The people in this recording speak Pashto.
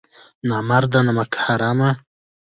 نامرده نمک حرامه!